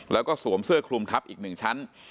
แล้วก็สวมเสื้อคลุมทับอีก๑ชั้น